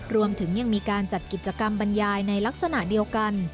รวมถึงยังมีการจัดกิจกรรมบรรยายในลักษณะเดียวกัน